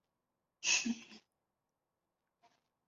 许多程序设计语言都支持利用正则表达式进行字符串操作。